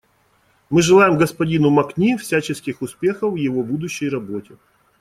Мы желаем господину Макни всяческих успехов в его будущей работе.